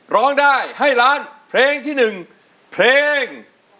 ร้องได้ให้ล้านเพลงที่๑เพลง